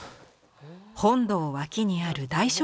本堂脇にある大書